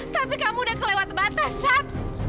tapi kamu udah kelewat batas sat